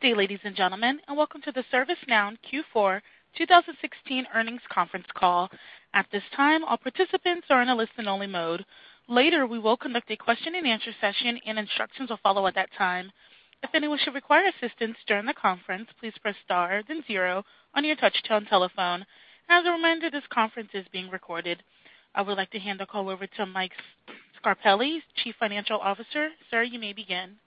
Good day, ladies and gentlemen, welcome to the ServiceNow Q4 2016 earnings conference call. At this time, all participants are in a listen-only mode. Later, we will conduct a question and answer session, instructions will follow at that time. If anyone should require assistance during the conference, please press star then zero on your touch-tone telephone. As a reminder, this conference is being recorded. I would like to hand the call over to Mike Scarpelli, Chief Financial Officer. Sir, you may begin.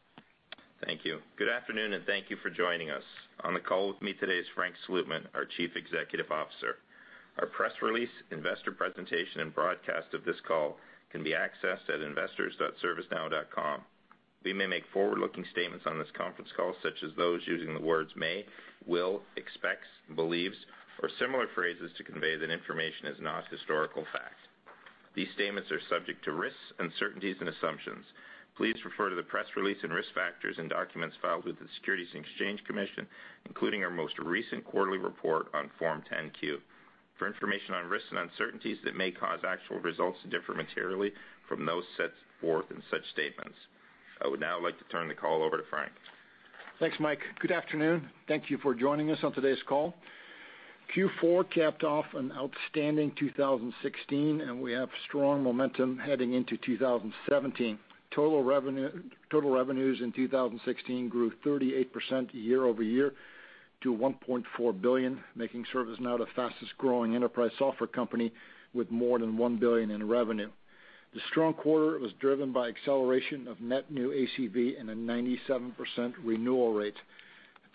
Thank you. Good afternoon, thank you for joining us. On the call with me today is Frank Slootman, our Chief Executive Officer. Our press release, investor presentation, and broadcast of this call can be accessed at investors.servicenow.com. We may make forward-looking statements on this conference call, such as those using the words may, will, expects, believes, or similar phrases to convey that information is not historical fact. These statements are subject to risks, uncertainties, and assumptions. Please refer to the press release and risk factors in documents filed with the Securities and Exchange Commission, including our most recent quarterly report on Form 10-Q, for information on risks and uncertainties that may cause actual results to differ materially from those set forth in such statements. I would now like to turn the call over to Frank. Thanks, Mike. Good afternoon. Thank you for joining us on today's call. Q4 capped off an outstanding 2016, we have strong momentum heading into 2017. Total revenues in 2016 grew 38% year-over-year to $1.4 billion, making ServiceNow the fastest-growing enterprise software company with more than $1 billion in revenue. The strong quarter was driven by acceleration of net new ACV and a 97% renewal rate.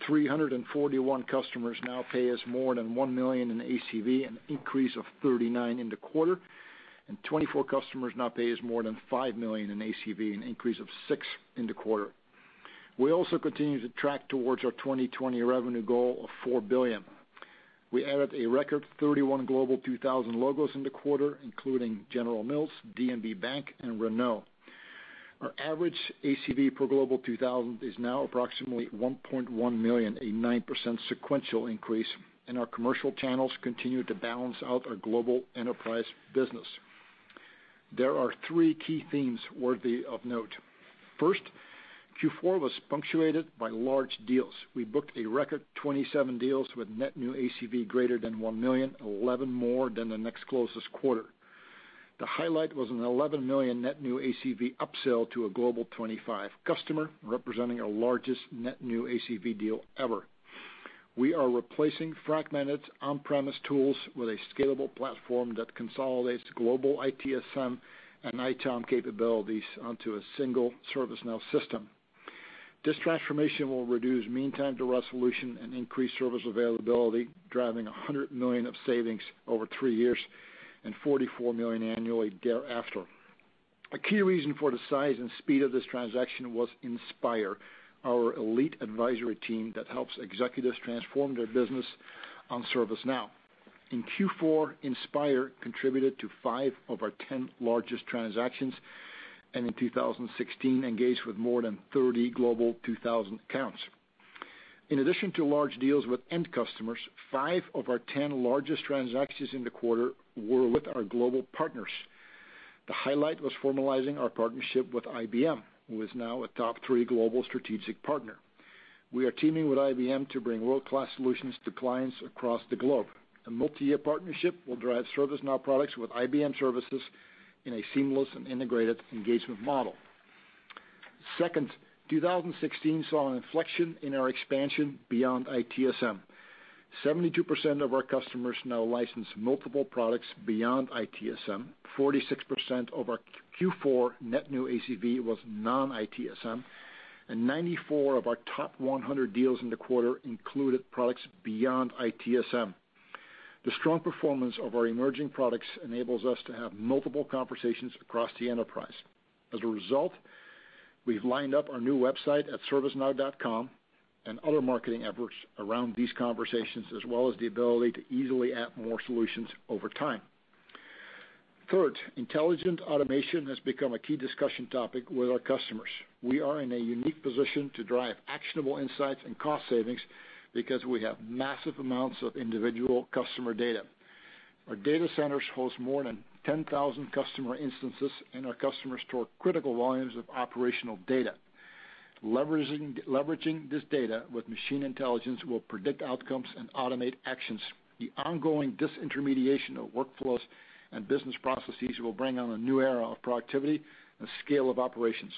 341 customers now pay us more than $1 million in ACV, an increase of 39 in the quarter, 24 customers now pay us more than $5 million in ACV, an increase of six in the quarter. We also continue to track towards our 2020 revenue goal of $4 billion. We added a record 31 Global 2000 logos in the quarter, including General Mills, DNB Bank, and Renault. Our average ACV per Global 2000 is now approximately $1.1 million, a 9% sequential increase, our commercial channels continue to balance out our global enterprise business. There are three key themes worthy of note. First, Q4 was punctuated by large deals. We booked a record 27 deals with net new ACV greater than $1 million, 11 more than the next closest quarter. The highlight was an $11 million net new ACV upsell to a Global 25 customer, representing our largest net new ACV deal ever. We are replacing fragmented on-premise tools with a scalable platform that consolidates global ITSM and ITOM capabilities onto a single ServiceNow system. This transformation will reduce mean time to resolution and increase service availability, driving $100 million of savings over three years, $44 million annually thereafter. A key reason for the size and speed of this transaction was Inspire, our elite advisory team that helps executives transform their business on ServiceNow. In Q4, Inspire contributed to five of our 10 largest transactions, and in 2016 engaged with more than 30 Global 2000 accounts. In addition to large deals with end customers, five of our 10 largest transactions in the quarter were with our global partners. The highlight was formalizing our partnership with IBM, who is now a top three global strategic partner. We are teaming with IBM to bring world-class solutions to clients across the globe. The multi-year partnership will drive ServiceNow products with IBM services in a seamless and integrated engagement model. 2016 saw an inflection in our expansion beyond ITSM. 72% of our customers now license multiple products beyond ITSM. 46% of our Q4 net new ACV was non-ITSM. 94 of our top 100 deals in the quarter included products beyond ITSM. The strong performance of our emerging products enables us to have multiple conversations across the enterprise. As a result, we've lined up our new website at servicenow.com and other marketing efforts around these conversations, as well as the ability to easily add more solutions over time. Intelligent automation has become a key discussion topic with our customers. We are in a unique position to drive actionable insights and cost savings because we have massive amounts of individual customer data. Our data centers host more than 10,000 customer instances, and our customers store critical volumes of operational data. Leveraging this data with machine intelligence will predict outcomes and automate actions. The ongoing disintermediation of workflows and business processes will bring on a new era of productivity and scale of operations.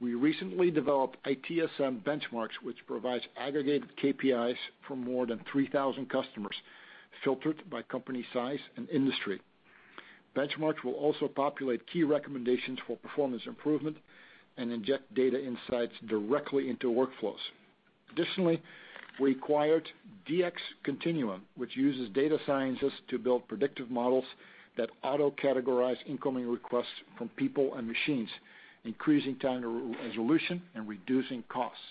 We recently developed ITSM Benchmarks, which provides aggregated KPIs for more than 3,000 customers, filtered by company size and industry. Benchmarks will also populate key recommendations for performance improvement and inject data insights directly into workflows. We acquired DxContinuum, which uses data sciences to build predictive models that auto-categorize incoming requests from people and machines, increasing time to resolution and reducing costs.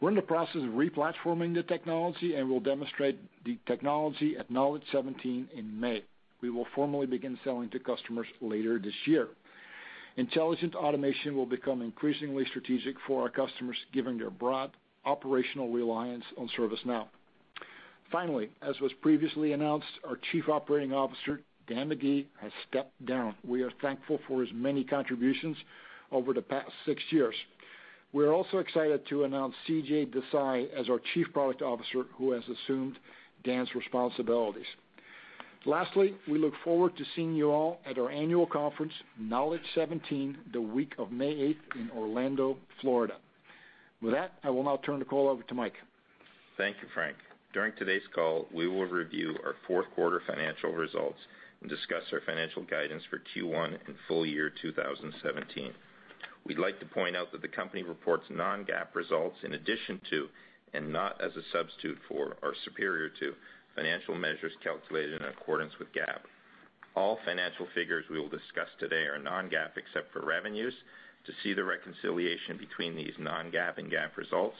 We're in the process of re-platforming the technology and will demonstrate the technology at Knowledge17 in May. We will formally begin selling to customers later this year. Intelligent automation will become increasingly strategic for our customers, given their broad operational reliance on ServiceNow. As was previously announced, our Chief Operating Officer, Dan McGee, has stepped down. We are thankful for his many contributions over the past six years. We're also excited to announce CJ Desai as our Chief Product Officer, who has assumed Dan's responsibilities. We look forward to seeing you all at our annual conference, Knowledge17, the week of May 8th in Orlando, Florida. With that, I will now turn the call over to Mike. Thank you, Frank. During today's call, we will review our fourth quarter financial results and discuss our financial guidance for Q1 and full year 2017. We'd like to point out that the company reports non-GAAP results in addition to, and not as a substitute for or superior to, financial measures calculated in accordance with GAAP. All financial figures we will discuss today are non-GAAP except for revenues. To see the reconciliation between these non-GAAP and GAAP results,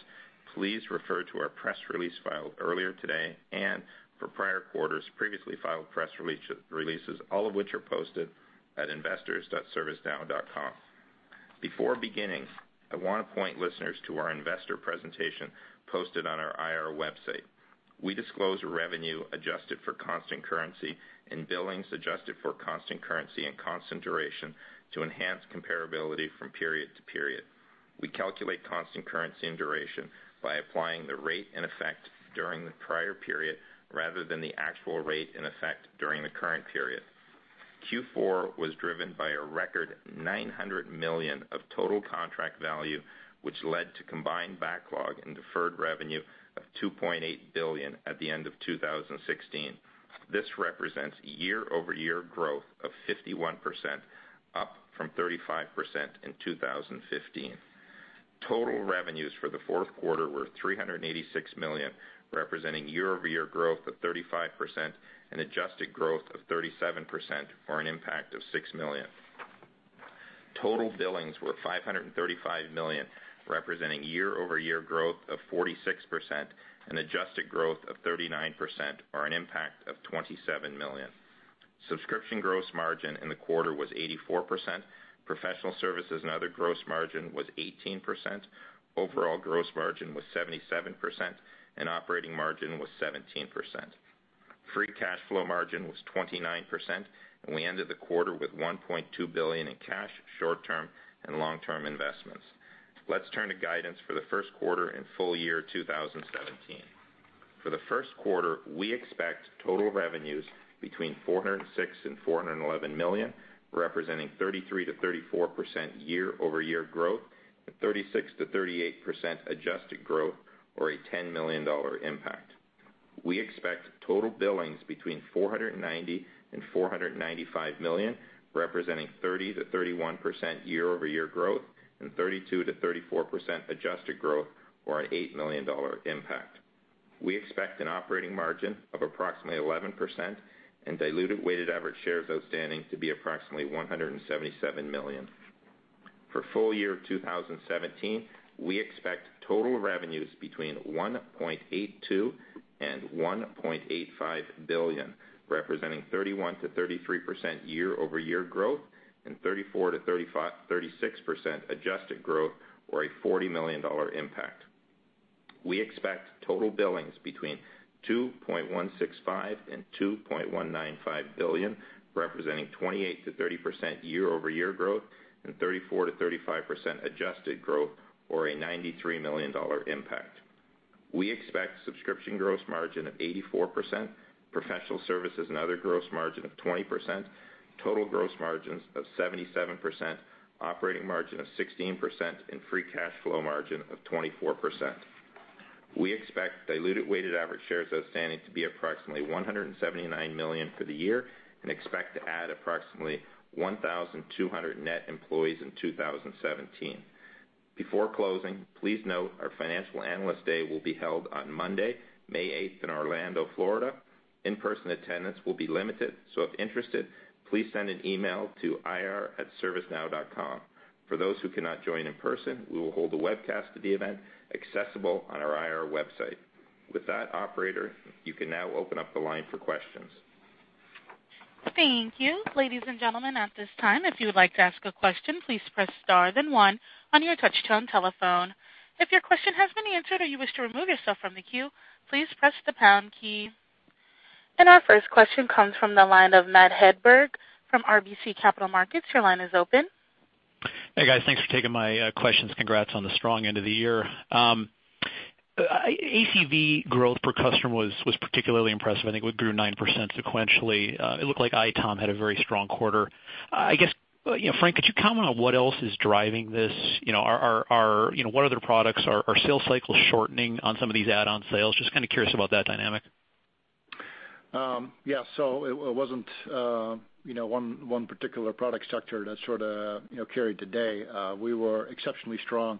please refer to our press release filed earlier today, and for prior quarters, previously filed press releases, all of which are posted at investors.servicenow.com. Before beginning, I want to point listeners to our investor presentation posted on our IR website. We disclose revenue adjusted for constant currency and billings adjusted for constant currency and constant duration to enhance comparability from period to period. We calculate constant currency and duration by applying the rate in effect during the prior period rather than the actual rate in effect during the current period. Q4 was driven by a record $900 million of total contract value, which led to combined backlog and deferred revenue of $2.8 billion at the end of 2016. This represents year-over-year growth of 51%, up from 35% in 2015. Total revenues for the fourth quarter were $386 million, representing year-over-year growth of 35% and adjusted growth of 37%, or an impact of $6 million. Total billings were $535 million, representing year-over-year growth of 46% and adjusted growth of 39%, or an impact of $27 million. Subscription gross margin in the quarter was 84%. Professional services and other gross margin was 18%. Overall gross margin was 77%, and operating margin was 17%. Free cash flow margin was 29%, and we ended the quarter with $1.2 billion in cash, short-term, and long-term investments. Let's turn to guidance for the first quarter and full year 2017. For the first quarter, we expect total revenues between $406 million-$411 million, representing 33%-34% year-over-year growth and 36%-38% adjusted growth, or a $10 million impact. We expect total billings between $490 million-$495 million, representing 30%-31% year-over-year growth and 32%-34% adjusted growth, or an $8 million impact. We expect an operating margin of approximately 11% and diluted weighted average shares outstanding to be approximately 177 million. For full year 2017, we expect total revenues between $1.82 billion-$1.85 billion, representing 31%-33% year-over-year growth and 34%-36% adjusted growth, or a $40 million impact. We expect total billings between $2.165 billion-$2.195 billion, representing 28%-30% year-over-year growth and 34%-35% adjusted growth, or a $93 million impact. We expect subscription gross margin of 84%, professional services and other gross margin of 20%, total gross margins of 77%, operating margin of 16%, and free cash flow margin of 24%. We expect diluted weighted average shares outstanding to be approximately 179 million for the year and expect to add approximately 1,200 net employees in 2017. Before closing, please note our financial analyst day will be held on Monday, May 8th, in Orlando, Florida. In-person attendance will be limited, so if interested, please send an email to ir@servicenow.com. For those who cannot join in person, we will hold a webcast of the event accessible on our IR website. With that, operator, you can now open up the line for questions. Thank you. Ladies and gentlemen, at this time, if you would like to ask a question, please press star then one on your touch-tone telephone. If your question has been answered or you wish to remove yourself from the queue, please press the pound key. Our first question comes from the line of Matt Hedberg from RBC Capital Markets. Your line is open. Hey, guys. Thanks for taking my questions. Congrats on the strong end of the year. ACV growth per customer was particularly impressive. I think it grew 9% sequentially. It looked like ITOM had a very strong quarter. I guess, Frank, could you comment on what else is driving this? What other products are sales cycles shortening on some of these add-on sales? Just kind of curious about that dynamic. Yeah. It wasn't one particular product sector that sort of carried the day. We were exceptionally strong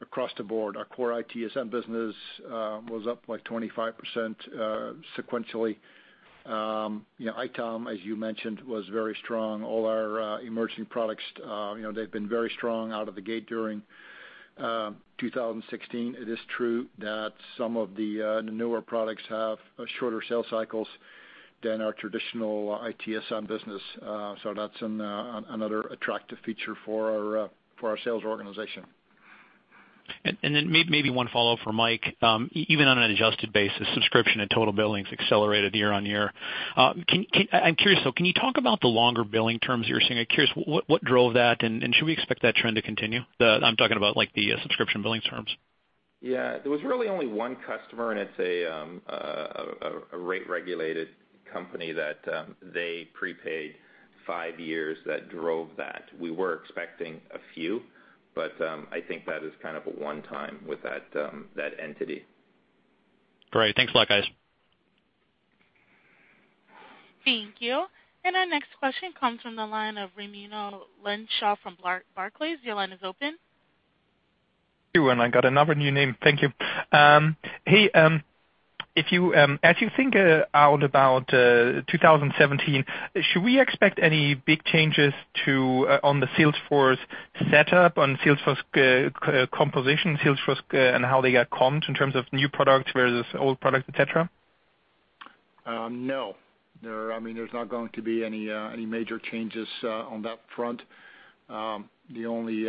across the board. Our core ITSM business was up by 25% sequentially. ITOM, as you mentioned, was very strong. All our emerging products, they've been very strong out of the gate during 2016. It is true that some of the newer products have shorter sales cycles than our traditional ITSM business. That's another attractive feature for our sales organization. Maybe one follow-up for Mike. Even on an adjusted basis, subscription and total billings accelerated year-on-year. I'm curious, though, can you talk about the longer billing terms you were seeing? I'm curious, what drove that, and should we expect that trend to continue? I'm talking about the subscription billing terms. Yeah. There was really only one customer, and it's a rate-regulated company that they prepaid five years that drove that. We were expecting a few, but I think that is kind of a one-time with that entity. Great. Thanks a lot, guys. Thank you. Our next question comes from the line of Raimo Lenschau from Barclays. Your line is open. I got another new name. Thank you. Hey, as you think out about 2017, should we expect any big changes on the sales force setup, on sales force composition, sales force and how they got comped in terms of new product versus old product, et cetera? No. There's not going to be any major changes on that front. The only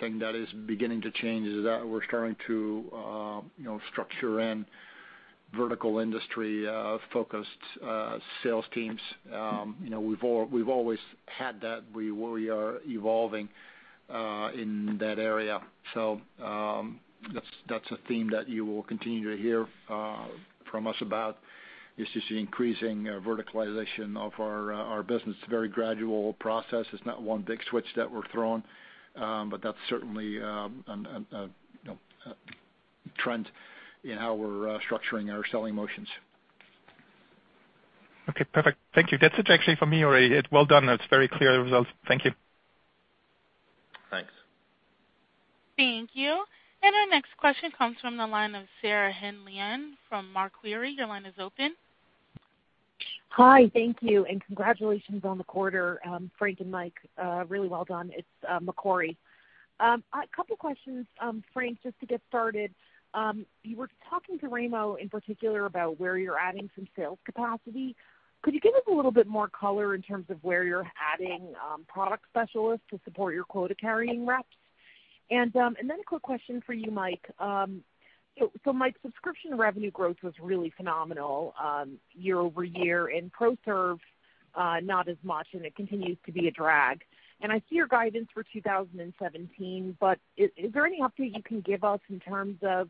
thing that is beginning to change is that we're starting to structure in vertical industry-focused sales teams. We've always had that. We are evolving in that area. That's a theme that you will continue to hear from us about, is just the increasing verticalization of our business. It's a very gradual process. It's not one big switch that we're throwing. That's certainly a trend in how we're structuring our selling motions. Okay, perfect. Thank you. That's it actually for me, Ori. Well done. That's very clear results. Thank you. Thanks. Thank you. Our next question comes from the line of Sarah Hindlian from Macquarie. Your line is open. Hi. Thank you. Congratulations on the quarter, Frank and Mike. Really well done. It's Macquarie. A couple questions, Frank, just to get started. You were talking to Ramo in particular about where you're adding some sales capacity. Could you give us a little bit more color in terms of where you're adding product specialists to support your quota-carrying reps? Then a quick question for you, Mike. Mike, subscription revenue growth was really phenomenal year-over-year, and ProServ, not as much, and it continues to be a drag. I see your guidance for 2017, is there any update you can give us in terms of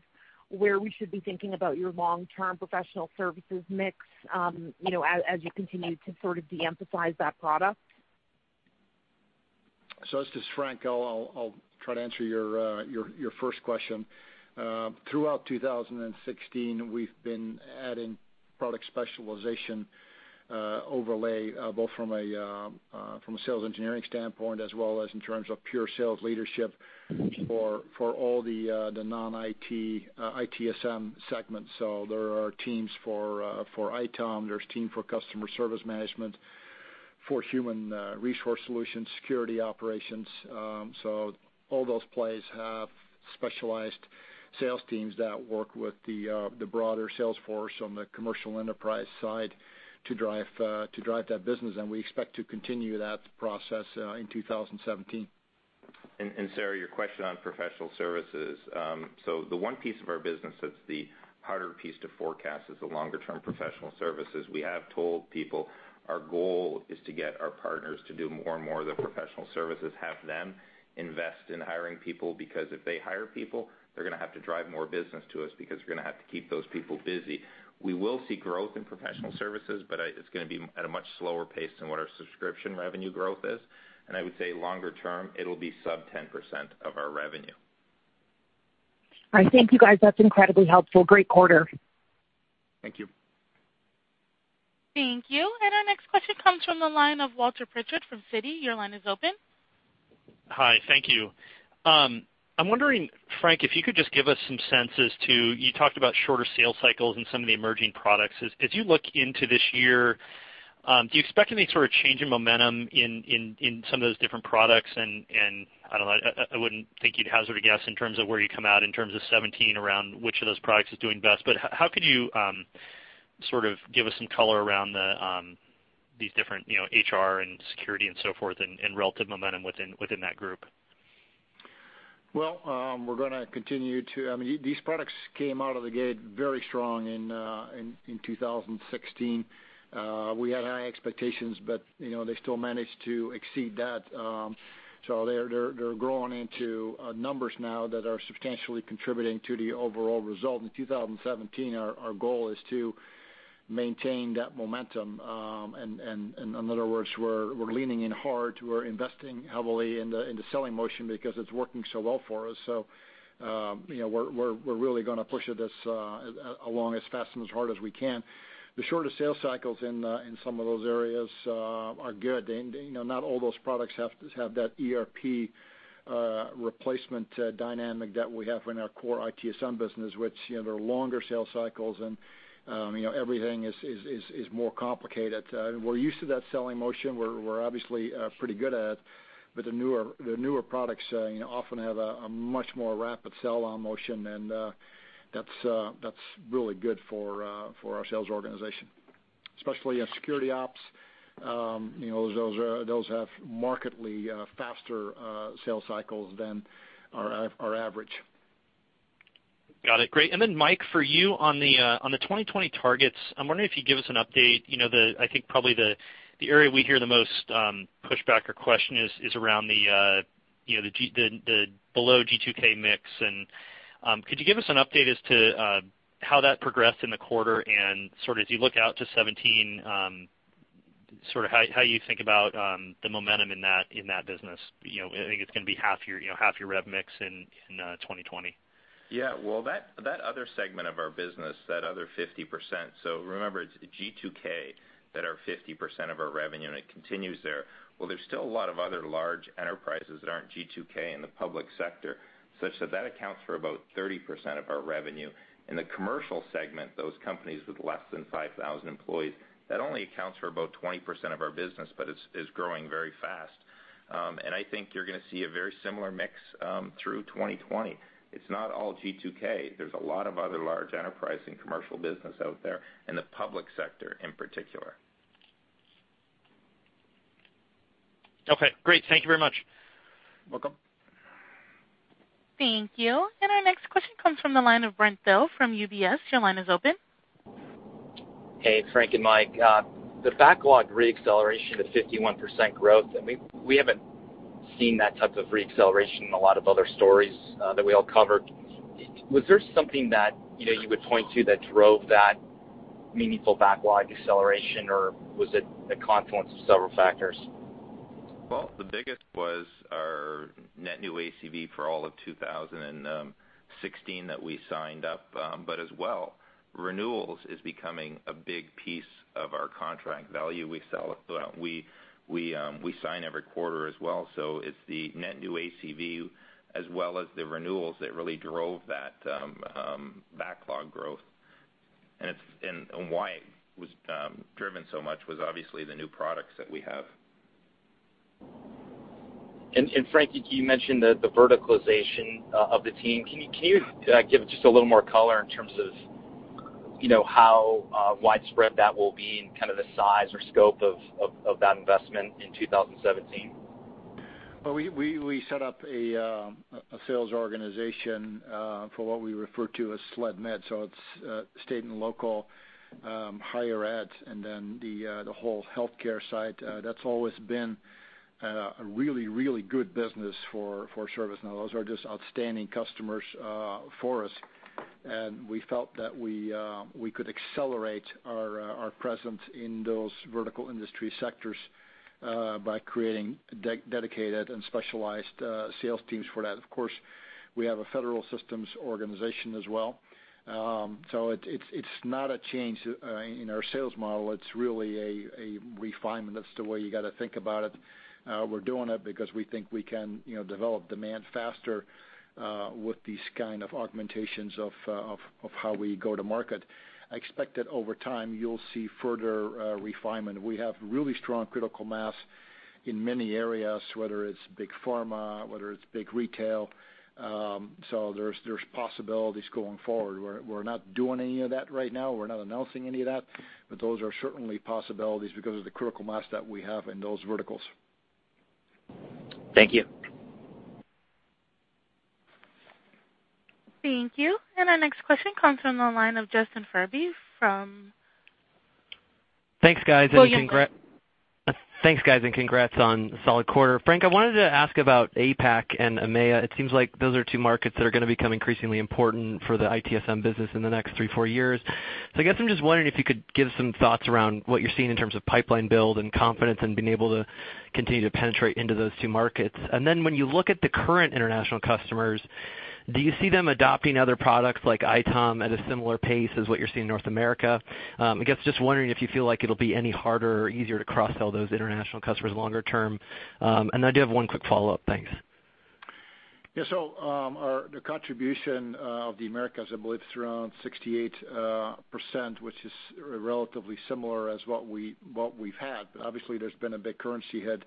where we should be thinking about your long-term professional services mix, as you continue to sort of de-emphasize that product? This is Frank. I'll try to answer your first question. Throughout 2016, we've been adding product specialization overlay, both from a sales engineering standpoint as well as in terms of pure sales leadership for all the non-ITSM segments. There are teams for ITOM, there's team for Customer Service Management, for human resource solutions, Security Operations. All those plays have specialized sales teams that work with the broader sales force on the commercial enterprise side to drive that business, and we expect to continue that process in 2017. Sarah, your question on professional services. The one piece of our business that's the harder piece to forecast is the longer-term professional services. We have told people our goal is to get our partners to do more and more of the professional services, have them invest in hiring people, because if they hire people, they're going to have to drive more business to us because we're going to have to keep those people busy. We will see growth in professional services, but it's going to be at a much slower pace than what our subscription revenue growth is. I would say longer term, it'll be sub 10% of our revenue. All right. Thank you, guys. That's incredibly helpful. Great quarter. Thank you. Thank you. Our next question comes from the line of Walter Pritchard from Citi. Your line is open. Hi. Thank you. I'm wondering, Frank, if you could just give us some sense as to, you talked about shorter sales cycles and some of the emerging products. As you look into this year, do you expect any sort of change in momentum in some of those different products? I don't know, I wouldn't think you'd hazard a guess in terms of where you come out in terms of 2017 around which of those products is doing best. How could you sort of give us some color around these different HR and security and so forth, and relative momentum within that group? Well, we're going to continue. These products came out of the gate very strong in 2016. We had high expectations, they still managed to exceed that. They're growing into numbers now that are substantially contributing to the overall result. In 2017, our goal is to maintain that momentum. In other words, we're leaning in hard. We're investing heavily in the selling motion because it's working so well for us. We're really going to push this along as fast and as hard as we can. The shorter sales cycles in some of those areas are good. Not all those products have that ERP replacement dynamic that we have in our core ITSM business, which there are longer sales cycles, and everything is more complicated. We're used to that selling motion. We're obviously pretty good at it. The newer products often have a much more rapid sell-on motion, and that's really good for our sales organization. Especially at Security Ops. Those have markedly faster sales cycles than our average. Got it. Great. Mike, for you, on the 2020 targets, I'm wondering if you'd give us an update. I think probably the area we hear the most pushback or question is around the below G2K mix. Could you give us an update as to how that progressed in the quarter and as you look out to 2017, how you think about the momentum in that business? I think it's going to be half your rev mix in 2020. Yeah. Well, that other segment of our business, that other 50%. Remember, it's G2K that are 50% of our revenue, and it continues there. Well, there's still a lot of other large enterprises that aren't G2K in the public sector, such that that accounts for about 30% of our revenue. In the commercial segment, those companies with less than 5,000 employees, that only accounts for about 20% of our business, but is growing very fast. I think you're going to see a very similar mix through 2020. It's not all G2K. There's a lot of other large enterprise and commercial business out there in the public sector in particular. Okay, great. Thank you very much. Welcome. Thank you. Our next question comes from the line of Brent Thill from UBS. Your line is open. Hey, Frank and Mike. The backlog re-acceleration of 51% growth. We haven't seen that type of re-acceleration in a lot of other stories that we all covered. Was there something that you would point to that drove that meaningful backlog acceleration, or was it a confluence of several factors? Well, the biggest was our net new ACV for all of 2016 that we signed up. As well, renewals is becoming a big piece of our contract value we sign every quarter as well. It's the net new ACV as well as the renewals that really drove that backlog growth. Why it was driven so much was obviously the new products that we have. Frank, you mentioned the verticalization of the team. Can you give just a little more color in terms of how widespread that will be and kind of the size or scope of that investment in 2017? Well, we set up a sales organization for what we refer to as SLED-MED, so it's state and local higher ed, the whole healthcare side. That's always been a really good business for ServiceNow. Those are just outstanding customers for us. We felt that we could accelerate our presence in those vertical industry sectors by creating dedicated and specialized sales teams for that. Of course, we have a federal systems organization as well. It's not a change in our sales model. It's really a refinement. That's the way you got to think about it. We're doing it because we think we can develop demand faster with these kind of augmentations of how we go to market. I expect that over time you'll see further refinement. We have really strong critical mass in many areas, whether it's big pharma, whether it's big retail. There's possibilities going forward. We're not doing any of that right now. We're not announcing any of that. Those are certainly possibilities because of the critical mass that we have in those verticals. Thank you. Thank you. Our next question comes from the line of Justin Furby from William Blair. Thanks, guys, and congrats on a solid quarter. Frank, I wanted to ask about APAC and EMEA. It seems like those are two markets that are going to become increasingly important for the ITSM business in the next three, four years. I guess I'm just wondering if you could give some thoughts around what you're seeing in terms of pipeline build and confidence and being able to continue to penetrate into those two markets. Then when you look at the current international customers, do you see them adopting other products like ITOM at a similar pace as what you're seeing in North America? I guess just wondering if you feel like it'll be any harder or easier to cross-sell those international customers longer term. I do have one quick follow-up. Thanks. Yeah, so, the contribution of the Americas, I believe, is around 68%, which is relatively similar as what we've had. Obviously, there's been a big currency hit.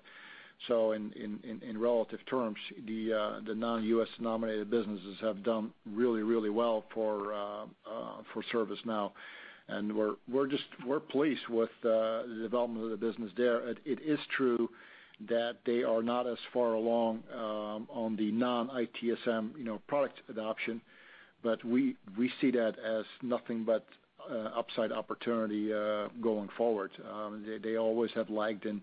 In relative terms, the non-U.S. denominated businesses have done really well for ServiceNow. We're pleased with the development of the business there. It is true that they are not as far along on the non-ITSM product adoption, but we see that as nothing but upside opportunity going forward. They always have lagged in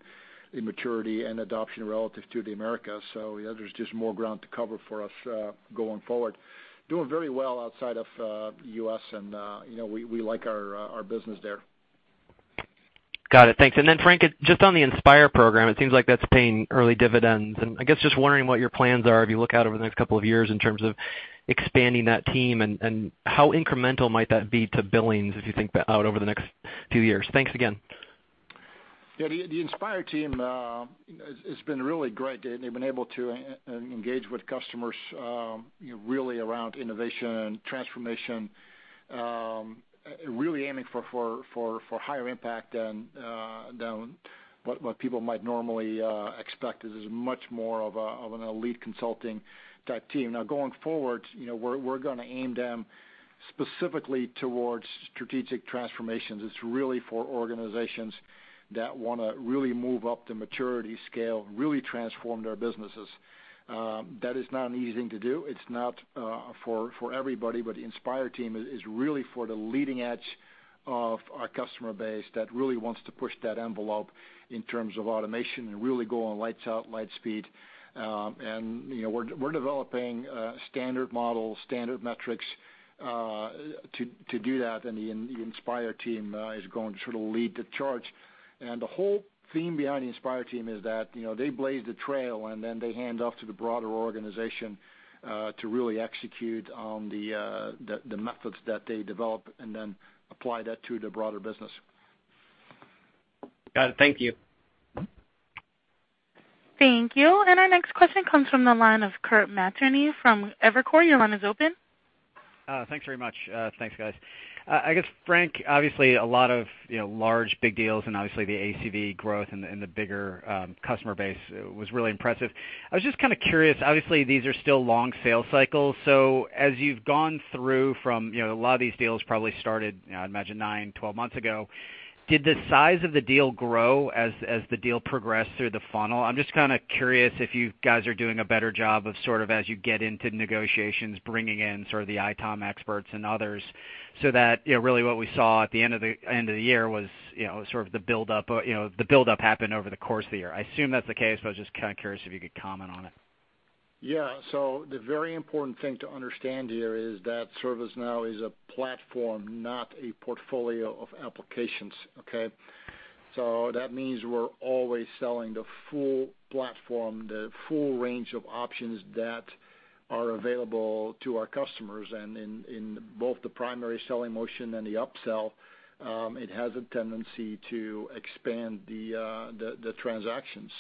maturity and adoption relative to the Americas, so there's just more ground to cover for us going forward. Doing very well outside of the U.S., and we like our business there. Got it. Thanks. Then Frank, just on the Inspire program, it seems like that's paying early dividends. I guess just wondering what your plans are as you look out over the next couple of years in terms of expanding that team, and how incremental might that be to billings as you think out over the next few years? Thanks again. Yeah, the Inspire team has been really great. They've been able to engage with customers really around innovation and transformation, really aiming for higher impact than traditional people might normally expect is much more of an elite consulting-type team. Now, going forward, we're going to aim them specifically towards strategic transformations. It's really for organizations that want to really move up the maturity scale, really transform their businesses. That is not an easy thing to do. It's not for everybody. Inspire Team is really for the leading edge of our customer base that really wants to push that envelope in terms of automation and really go on lights out, light speed. We're developing standard models, standard metrics to do that, and the Inspire Team is going to lead the charge. The whole theme behind the Inspire Team is that they blaze the trail, and then they hand off to the broader organization to really execute on the methods that they develop and then apply that to the broader business. Got it. Thank you. Thank you. Our next question comes from the line of Kirk Materne from Evercore. Your line is open. Thanks very much. Thanks, guys. I guess, Frank, obviously, a lot of large, big deals and obviously the ACV growth and the bigger customer base was really impressive. I was just kind of curious. Obviously, these are still long sales cycles. As you've gone through from, a lot of these deals probably started, I'd imagine nine, 12 months ago. Did the size of the deal grow as the deal progressed through the funnel? I'm just kind of curious if you guys are doing a better job of sort of as you get into negotiations, bringing in sort of the ITOM experts and others, that really what we saw at the end of the year was sort of the build-up happened over the course of the year. I assume that's the case, but I was just kind of curious if you could comment on it. Yeah. The very important thing to understand here is that ServiceNow is a platform, not a portfolio of applications, okay? That means we're always selling the full platform, the full range of options that are available to our customers, and in both the primary selling motion and the upsell, it has a tendency to expand the transaction.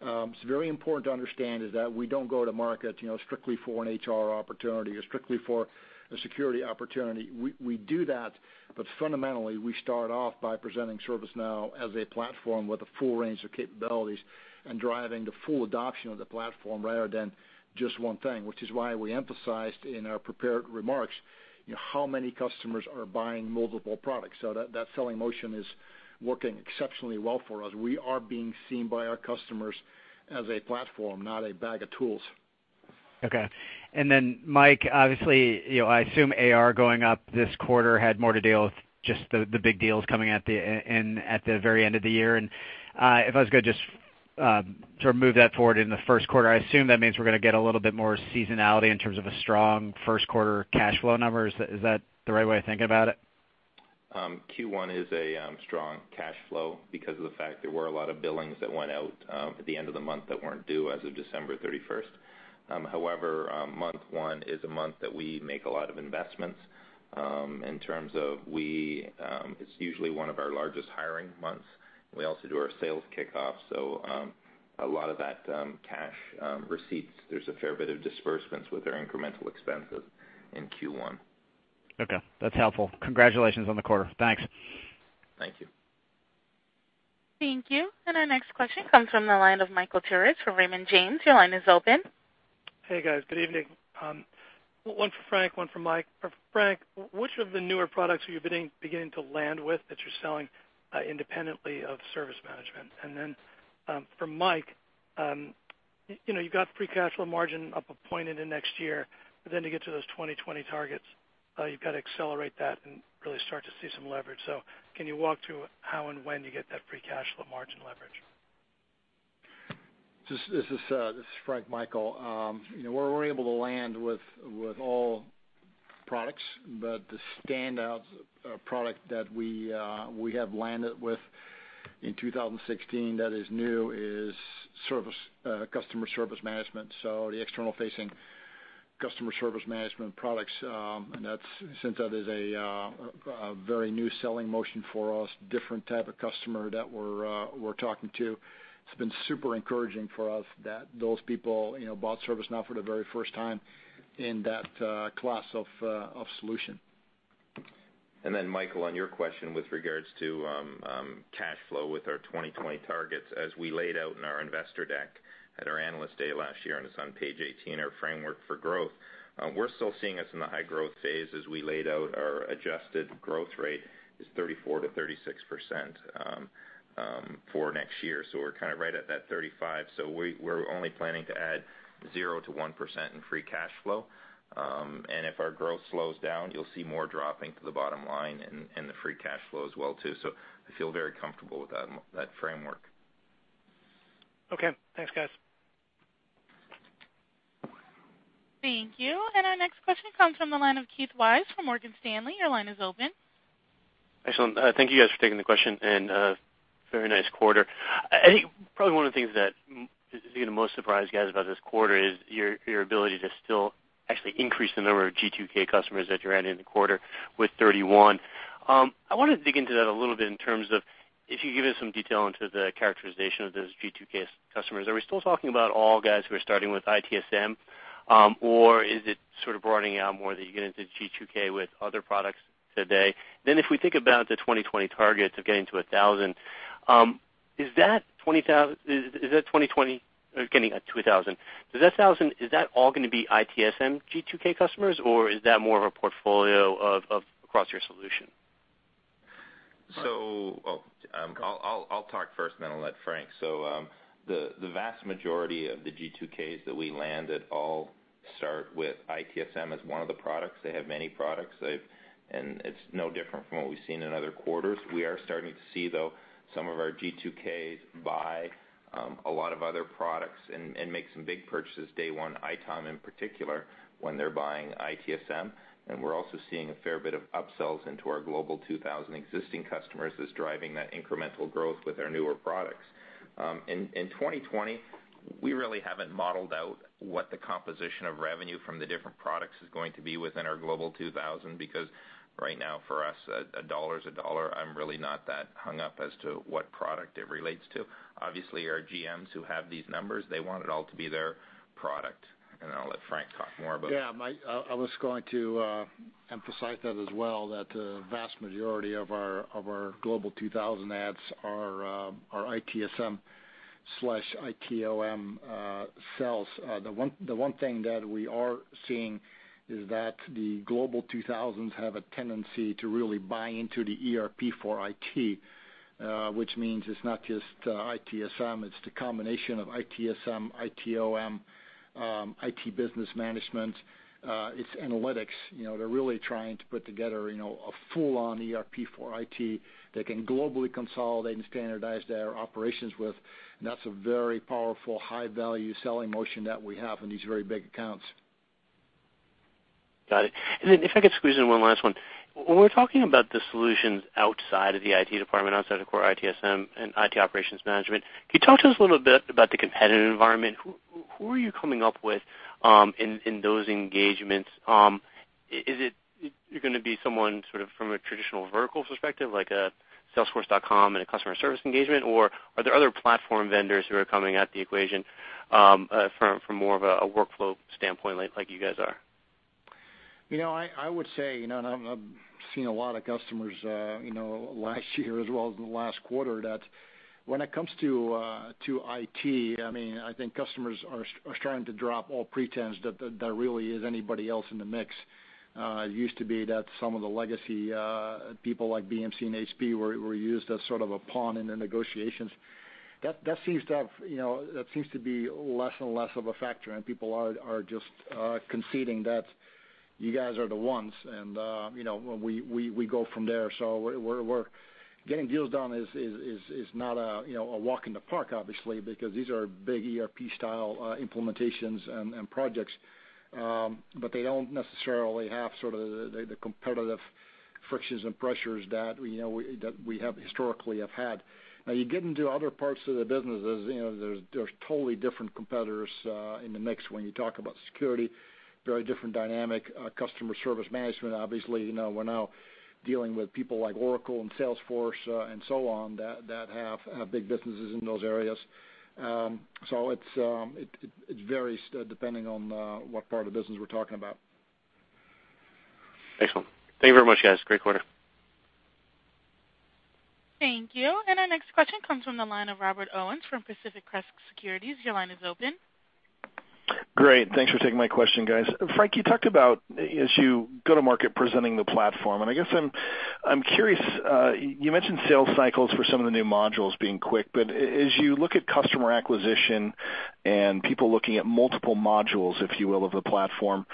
It's very important to understand is that we don't go to market strictly for an HR opportunity or strictly for a security opportunity. We do that, but fundamentally, we start off by presenting ServiceNow as a platform with a full range of capabilities and driving the full adoption of the platform rather than just one thing, which is why we emphasized in our prepared remarks how many customers are buying multiple products. That selling motion is working exceptionally well for us. We are being seen by our customers as a platform, not a bag of tools. Mike, obviously, I assume AR going up this quarter had more to deal with just the big deals coming in at the very end of the year. If I was going to just sort of move that forward in the first quarter, I assume that means we're going to get a little bit more seasonality in terms of a strong first-quarter cash flow numbers. Is that the right way to think about it? Q1 is a strong cash flow because of the fact there were a lot of billings that went out at the end of the month that weren't due as of December 31st. However, month one is a month that we make a lot of investments. In terms of it's usually one of our largest hiring months, and we also do our sales kickoff. A lot of that cash receipts, there's a fair bit of disbursements with our incremental expenses in Q1. Okay. That's helpful. Congratulations on the quarter. Thanks. Thank you. Thank you. Our next question comes from the line of Michael Turits from Raymond James. Your line is open. Hey, guys. Good evening. One for Frank, one for Mike. For Frank, which of the newer products are you beginning to land with that you're selling independently of service management? Then for Mike, you've got the free cash flow margin up a point into next year, but then to get to those 2020 targets, you've got to accelerate that and really start to see some leverage. Can you walk through how and when you get that free cash flow margin leverage? This is Frank, Michael. We're able to land with all products, but the standout product that we have landed with in 2016 that is new is Customer Service Management. The external-facing Customer Service Management products, since that is a very new selling motion for us, different type of customer that we're talking to, it's been super encouraging for us that those people bought ServiceNow for the very first time in that class of solution. Michael, on your question with regards to cash flow with our 2020 targets, as we laid out in our investor deck at our Analyst Day last year, it's on page 18, our framework for growth. We're still seeing us in the high-growth phase as we laid out our adjusted growth rate is 34%-36% for next year. We're kind of right at that 35. We're only planning to add 0%-1% in free cash flow. If our growth slows down, you'll see more dropping to the bottom line in the free cash flow as well, too. I feel very comfortable with that framework. Okay. Thanks, guys. Thank you. Our next question comes from the line of Keith Weiss from Morgan Stanley. Your line is open. Excellent. Thank you guys for taking the question, very nice quarter. I think probably one of the things that is going to most surprise you guys about this quarter is your ability to still actually increase the number of G2K customers that you're adding in the quarter with 31. I want to dig into that a little bit in terms of if you could give us some detail into the characterization of those G2K customers. Are we still talking about all guys who are starting with ITSM? Is it sort of broadening out more that you get into G2K with other products today? If we think about the 2020 targets of getting to 1,000, is that 2020 getting up to 1,000? Does that 1,000, is that all going to be ITSM G2K customers, or is that more of a portfolio across your solution? I'll talk first, then I'll let Frank. The vast majority of the G2Ks that we landed all start with ITSM as one of the products. They have many products, and it's no different from what we've seen in other quarters. We are starting to see, though, some of our G2Ks buy a lot of other products and make some big purchases day one, ITOM in particular, when they're buying ITSM. We're also seeing a fair bit of upsells into our Global 2000 existing customers that's driving that incremental growth with our newer products. In 2020, we really haven't modeled out what the composition of revenue from the different products is going to be within our Global 2000, because right now, for us, a dollar is a dollar. I'm really not that hung up as to what product it relates to. Obviously, our GMs who have these numbers, they want it all to be their product. I'll let Frank talk more about that. Yeah. I was going to emphasize that as well, that the vast majority of our Global 2000 adds are ITSM/ITOM sells. The one thing that we are seeing is that the Global 2000 have a tendency to really buy into the ERP for IT, which means it's not just ITSM, it's the combination of ITSM, ITOM, IT Business Management. It's analytics. They're really trying to put together a full-on ERP for IT that can globally consolidate and standardize their operations with. That's a very powerful, high-value selling motion that we have in these very big accounts. Got it. If I could squeeze in one last one. When we're talking about the solutions outside of the IT department, outside of core ITSM and IT operations management, can you talk to us a little bit about the competitive environment? Who are you coming up with in those engagements? Is it going to be someone sort of from a traditional vertical perspective, like a Salesforce.com and a customer service engagement, or are there other platform vendors who are coming at the equation from more of a workflow standpoint like you guys are? I would say, I've seen a lot of customers last year as well as in the last quarter, that when it comes to IT, I think customers are starting to drop all pretense that there really is anybody else in the mix. It used to be that some of the legacy people like BMC and HP were used as sort of a pawn in the negotiations. That seems to be less and less of a factor, and people are just conceding that you guys are the ones, and we go from there. We're getting deals done is not a walk in the park, obviously, because these are big ERP-style implementations and projects. They don't necessarily have sort of the competitive frictions and pressures that we historically have had. Now you get into other parts of the businesses, there's totally different competitors in the mix when you talk about security, very different dynamic. Customer Service Management, obviously, we're now dealing with people like Oracle and Salesforce and so on that have big businesses in those areas. It varies depending on what part of the business we're talking about. Excellent. Thank you very much, guys. Great quarter. Thank you. Our next question comes from the line of Rob Owens from Pacific Crest Securities. Your line is open. Great. Thanks for taking my question, guys. Frank, you talked about as you go to market presenting the platform, I guess I'm curious. You mentioned sales cycles for some of the new modules being quick, as you look at customer acquisition and people looking at multiple modules, if you will, of the platform,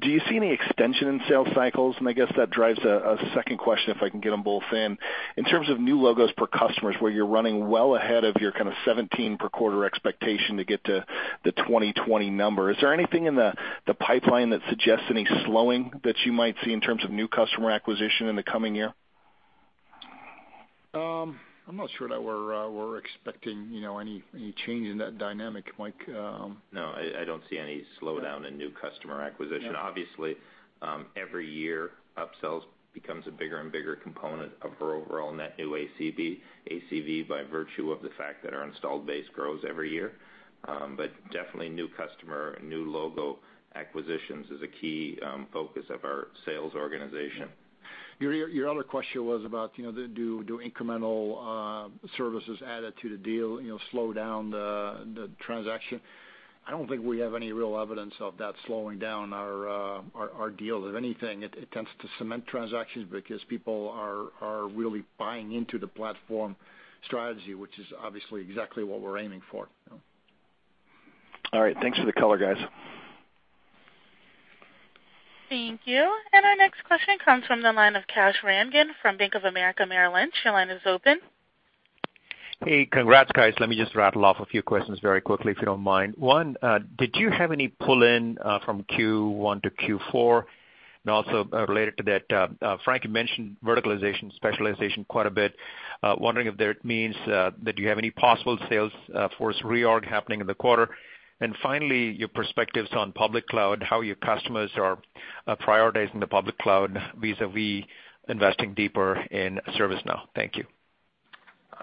do you see any extension in sales cycles? I guess that drives a second question, if I can get them both in. In terms of new logos per customers, where you're running well ahead of your kind of 17 per quarter expectation to get to the 2020 number, is there anything in the pipeline that suggests any slowing that you might see in terms of new customer acquisition in the coming year? I'm not sure that we're expecting any change in that dynamic, Mike. No, I don't see any slowdown in new customer acquisition. No. Obviously, every year, upsells becomes a bigger and bigger component of our overall net new ACV by virtue of the fact that our installed base grows every year. Definitely new customer, new logo acquisitions is a key focus of our sales organization. Your other question was about do incremental services added to the deal slow down the transaction? I don't think we have any real evidence of that slowing down our deals. If anything, it tends to cement transactions because people are really buying into the platform strategy, which is obviously exactly what we're aiming for. All right. Thanks for the color, guys. Thank you. Our next question comes from the line of Kash Rangan from Bank of America Merrill Lynch. Your line is open. Hey, congrats, guys. Let me just rattle off a few questions very quickly, if you don't mind. One, did you have any pull-in from Q1 to Q4? Related to that, Frank, you mentioned verticalization specialization quite a bit. Wondering if that means that you have any possible sales force reorg happening in the quarter. Finally, your perspectives on public cloud, how your customers are prioritizing the public cloud vis-a-vis investing deeper in ServiceNow. Thank you.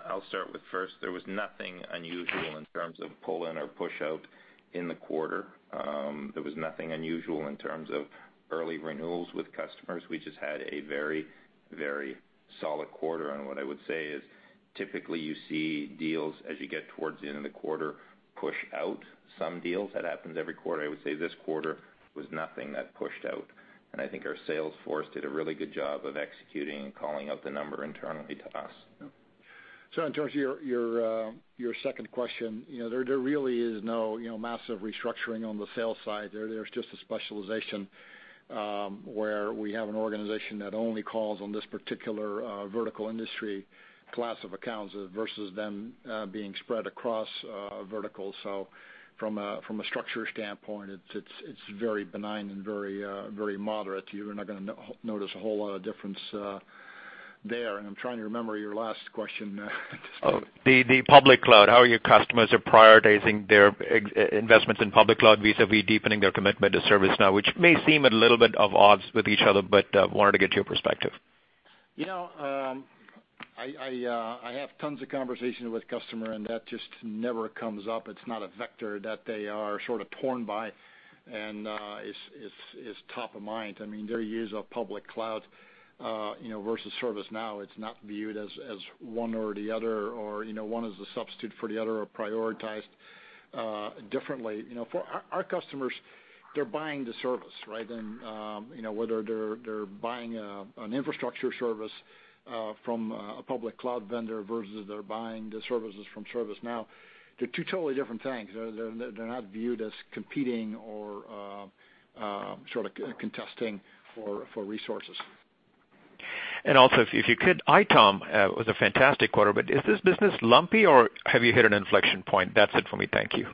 I'll start with first, there was nothing unusual in terms of pull-in or push-out in the quarter. There was nothing unusual in terms of early renewals with customers. We just had a very solid quarter. What I would say is, typically you see deals as you get towards the end of the quarter, push out some deals. That happens every quarter. I would say this quarter was nothing that pushed out. I think our sales force did a really good job of executing and calling out the number internally to us. In terms of your second question, there really is no massive restructuring on the sales side. There's just a specialization, where we have an organization that only calls on this particular vertical industry class of accounts versus them being spread across verticals. From a structure standpoint, it's very benign and very moderate. You're not going to notice a whole lot of difference there. I'm trying to remember your last question. The public cloud, how your customers are prioritizing their investments in public cloud vis-a-vis deepening their commitment to ServiceNow, which may seem a little bit of odds with each other, wanted to get your perspective. I have tons of conversations with customer, and that just never comes up. It's not a vector that they are torn by and is top of mind. Their use of public cloud versus ServiceNow, it's not viewed as one or the other, or one as a substitute for the other, or prioritized differently. For our customers, they're buying the service. Whether they're buying an infrastructure service from a public cloud vendor versus they're buying the services from ServiceNow, they're two totally different things. They're not viewed as competing or contesting for resources. Also, if you could, ITOM was a fantastic quarter, is this business lumpy or have you hit an inflection point? That's it for me. Thank you.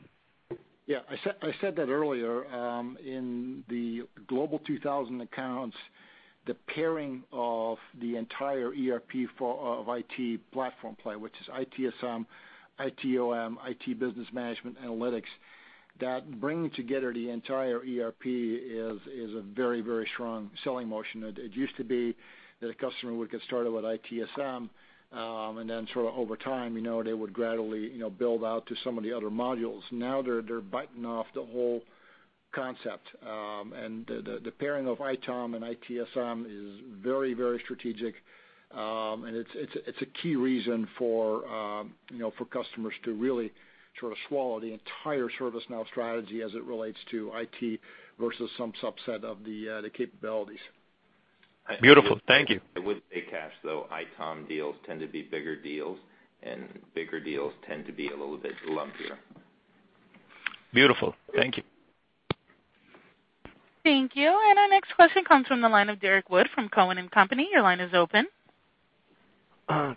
Yeah, I said that earlier. In the Global 2000 accounts, the pairing of the entire ERP of IT platform play, which is ITSM, ITOM, IT Business Management analytics, that bringing together the entire ERP is a very strong selling motion. It used to be that a customer would get started with ITSM, and then over time, they would gradually build out to some of the other modules. Now they're biting off the whole concept. The pairing of ITOM and ITSM is very strategic. It's a key reason for customers to really swallow the entire ServiceNow strategy as it relates to IT versus some subset of the capabilities. Beautiful. Thank you. I would say, Kash, though, ITOM deals tend to be bigger deals, and bigger deals tend to be a little bit lumpier. Beautiful. Thank you. Thank you. Our next question comes from the line of Derrick Wood from Cowen and Company. Your line is open.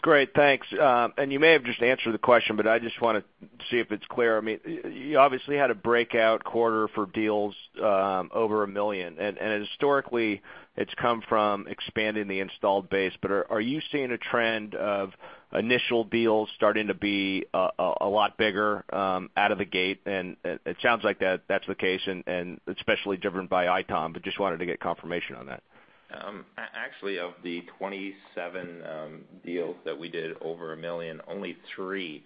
Great, thanks. You may have just answered the question, but I just want to see if it's clear. You obviously had a breakout quarter for deals over $1 million. Historically, it's come from expanding the installed base. Are you seeing a trend of initial deals starting to be a lot bigger out of the gate? It sounds like that's the case and especially driven by ITOM, but just wanted to get confirmation on that. Actually, of the 27 deals that we did over a million, only three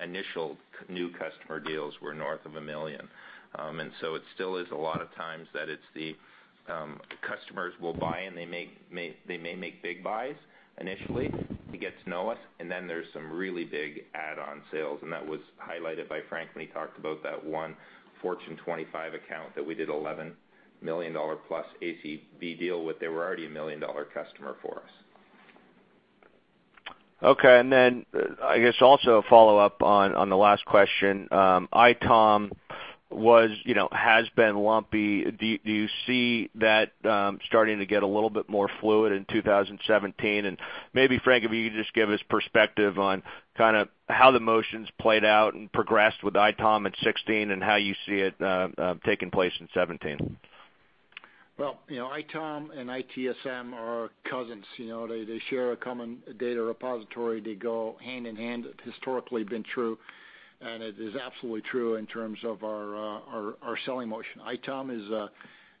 initial new customer deals were north of a million. It still is a lot of times that it's the customers will buy, and they may make big buys initially to get to know us. Then there's some really big add-on sales, and that was highlighted by Frank when he talked about that one Fortune 25 account that we did $11 million-plus ACV deal with. They were already a million-dollar customer for us. Okay. Then I guess also a follow-up on the last question. ITOM has been lumpy. Do you see that starting to get a little bit more fluid in 2017? Maybe, Frank, if you could just give us perspective on how the motions played out and progressed with ITOM in 2016 and how you see it taking place in 2017. Well, ITOM and ITSM are cousins. They share a common data repository. They go hand-in-hand. It historically been true, and it is absolutely true in terms of our selling motion. ITOM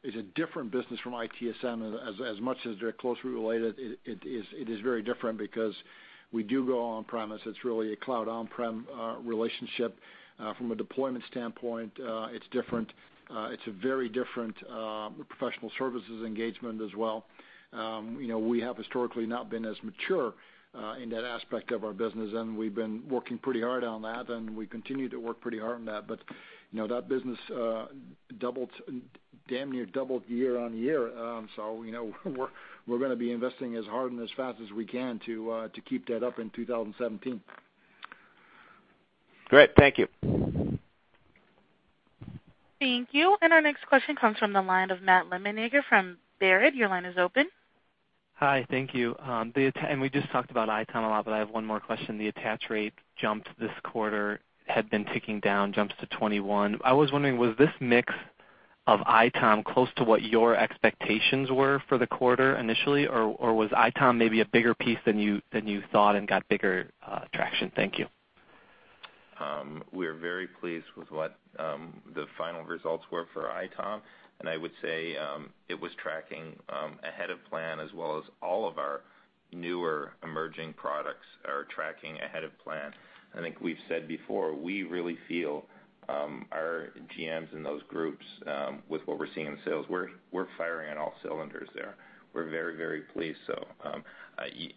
is a different business from ITSM. As much as they're closely related, it is very different because we do go on-premise. It's really a cloud on-prem relationship. From a deployment standpoint, it's different. It's a very different professional services engagement as well. We have historically not been as mature in that aspect of our business, and we've been working pretty hard on that, and we continue to work pretty hard on that. That business damn near doubled year-over-year. We're going to be investing as hard and as fast as we can to keep that up in 2017. Great. Thank you. Thank you. Our next question comes from the line of Matt Lemenager from Baird. Your line is open. Hi. Thank you. We just talked about ITOM a lot, but I have one more question. The attach rate jumped this quarter, had been ticking down, jumps to 21. I was wondering, was this mix of ITOM close to what your expectations were for the quarter initially, or was ITOM maybe a bigger piece than you thought and got bigger traction? Thank you. We are very pleased with what the final results were for ITOM, and I would say it was tracking ahead of plan as well as all of our newer emerging products are tracking ahead of plan. I think we've said before, we really feel our GMs in those groups with what we're seeing in sales, we're firing on all cylinders there. We're very pleased.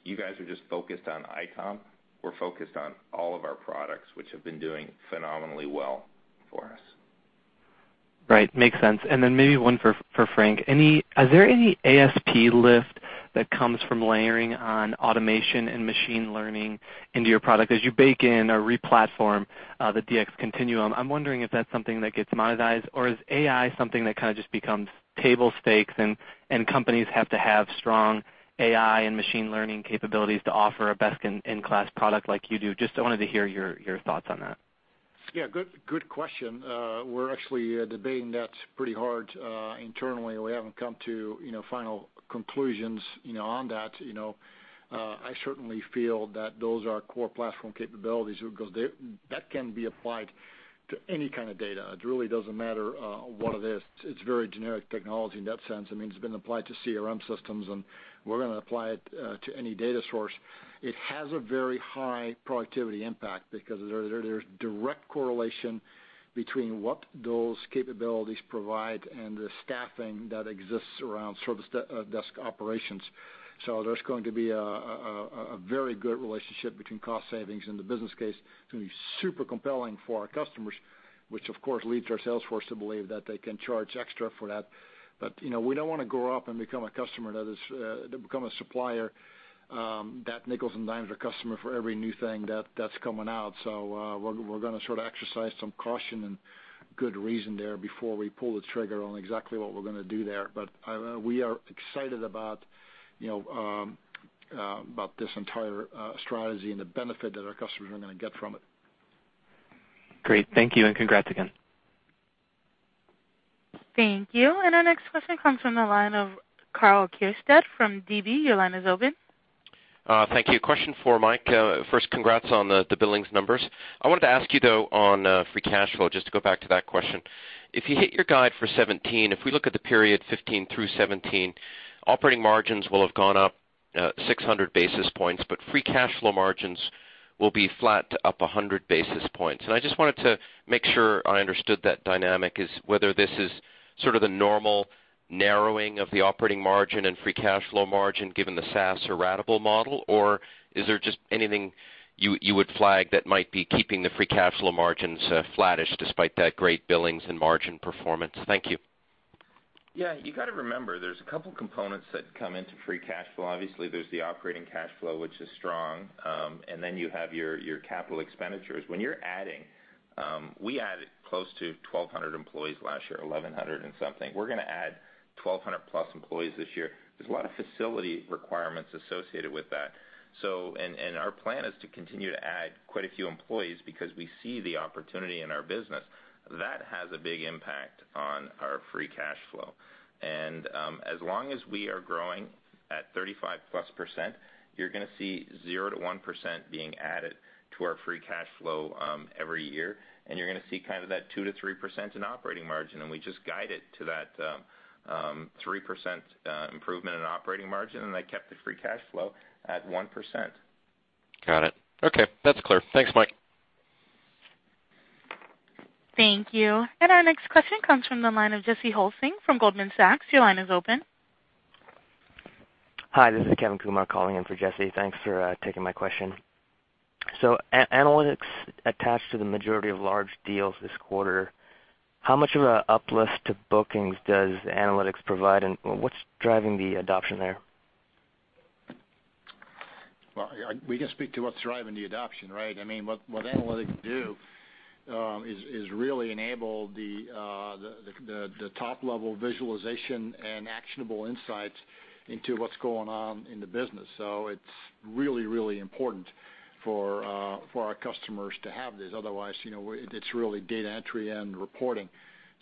You guys are just focused on ITOM. We're focused on all of our products, which have been doing phenomenally well for us. Right. Makes sense. Then maybe one for Frank. Is there any ASP lift that comes from layering on automation and machine learning into your product? As you bake in or re-platform, the DxContinuum, I'm wondering if that's something that gets monetized or is AI something that kind of just becomes table stakes and companies have to have strong AI and machine learning capabilities to offer a best-in-class product like you do. Just wanted to hear your thoughts on that. Yeah, good question. We're actually debating that pretty hard internally. We haven't come to final conclusions on that. I certainly feel that those are core platform capabilities because that can be applied to any kind of data. It really doesn't matter what it is. It's very generic technology in that sense. It's been applied to CRM systems, and we're going to apply it to any data source. It has a very high productivity impact because there's direct correlation between what those capabilities provide and the staffing that exists around service desk operations. There's going to be a very good relationship between cost savings and the business case. It's going to be super compelling for our customers, which of course leads our sales force to believe that they can charge extra for that. We don't want to grow up and become a supplier that nickels and dimes our customer for every new thing that's coming out. We're going to sort of exercise some caution and good reason there before we pull the trigger on exactly what we're going to do there. We are excited about this entire strategy and the benefit that our customers are going to get from it. Great. Thank you, congrats again. Thank you. Our next question comes from the line of Karl Keirstead from DB. Your line is open. Thank you. Question for Mike. First, congrats on the billings numbers. I wanted to ask you, though, on free cash flow, just to go back to that question. If you hit your guide for 2017, if we look at the period 2015 through 2017, operating margins will have gone up 600 basis points, but free cash flow margins will be flat to up 100 basis points. I just wanted to make sure I understood that dynamic is whether this is sort of the normal narrowing of the operating margin and free cash flow margin given the SaaS or ratable model, or is there just anything you would flag that might be keeping the free cash flow margins flattish despite that great billings and margin performance? Thank you. Yeah, you got to remember, there's a couple components that come into free cash flow. Obviously, there's the operating cash flow, which is strong, and then you have your capital expenditures. We added close to 1,200 employees last year, 1,100 and something. We're going to add 1,200 plus employees this year. There's a lot of facility requirements associated with that. Our plan is to continue to add quite a few employees because we see the opportunity in our business. That has a big impact on our free cash flow. As long as we are growing at 35% plus, you're going to see zero to 1% being added to our free cash flow every year, and you're going to see kind of that 2% to 3% in operating margin. We just guide it to that 3% improvement in operating margin, and I kept the free cash flow at 1%. Got it. Okay. That's clear. Thanks, Mike. Thank you. Our next question comes from the line of Jesse Hulsing from Goldman Sachs. Your line is open. Hi, this is Kevin Kumar calling in for Jesse. Thanks for taking my question. Analytics attached to the majority of large deals this quarter, how much of a uplift to bookings does analytics provide, and what's driving the adoption there? Well, we can speak to what's driving the adoption, right? What analytics do is really enable the top-level visualization and actionable insights into what's going on in the business. It's really important for our customers to have this. Otherwise, it's really data entry and reporting.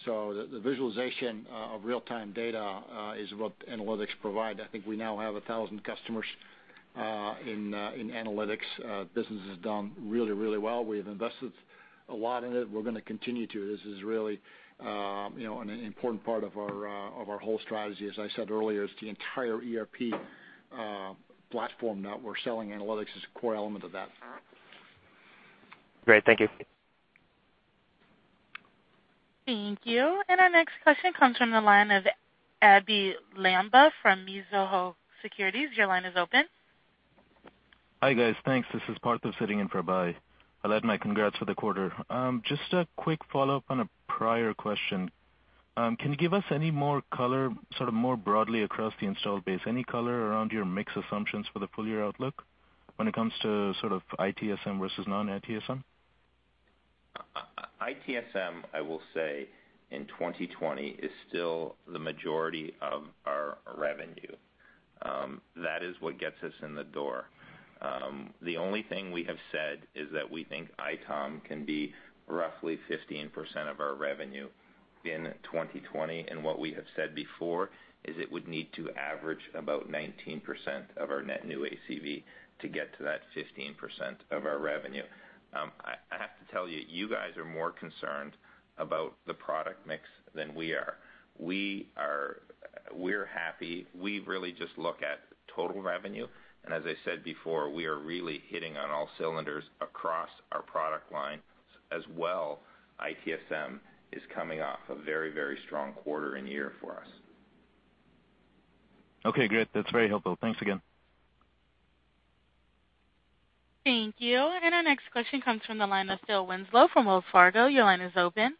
The visualization of real-time data is what analytics provide. I think we now have 1,000 customers in analytics. Business has done really well. We have invested a lot in it. We're going to continue to. This is really an important part of our whole strategy. As I said earlier, it's the entire ERP platform that we're selling. Analytics is a core element of that. Great. Thank you. Thank you. Our next question comes from the line of Abhey Lamba from Mizuho Securities. Your line is open. Hi, guys. Thanks. This is Parth sitting in for Abhey. I'll add my congrats for the quarter. Just a quick follow-up on a prior question. Can you give us any more color, sort of more broadly across the installed base, any color around your mix assumptions for the full year outlook when it comes to sort of ITSM versus non-ITSM? ITSM, I will say, in 2020 is still the majority of our revenue. That is what gets us in the door. The only thing we have said is that we think ITOM can be roughly 15% of our revenue in 2020, and what we have said before is it would need to average about 19% of our net new ACV to get to that 15% of our revenue. I have to tell you guys are more concerned about the product mix than we are. We're happy. We really just look at total revenue, and as I said before, we are really hitting on all cylinders across our product line, as well, ITSM is coming off a very strong quarter and year for us. Okay, great. That's very helpful. Thanks again. Thank you. Our next question comes from the line of Phil Winslow from Wells Fargo. Your line is open.